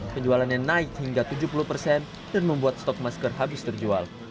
penjualannya naik hingga tujuh puluh persen dan membuat stok masker habis terjual